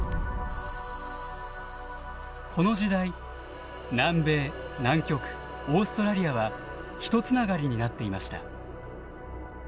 この時代南米南極オーストラリアは一繋がりになっていました。